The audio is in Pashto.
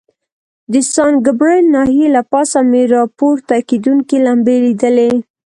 د سان ګبریل ناحیې له پاسه مې را پورته کېدونکي لمبې لیدلې.